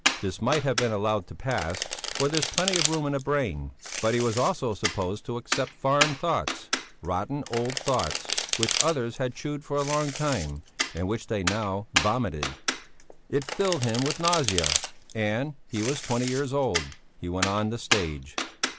This might have been allowed to pass, for there's plenty of room in a brain. But he was also supposed to accept foreign thoughts, rotten, old thoughts, which others had chewed for a life time, and which they now vomited. It filled him with nausea and he was twenty years old he went on the stage.